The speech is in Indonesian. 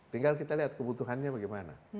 tinggal kita lihat kebutuhannya bagaimana